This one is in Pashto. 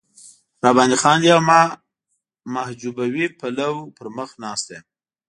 را باندې خاندي او ما محجوبوي پلو پر مخ ناسته یم.